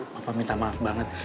papa minta maaf banget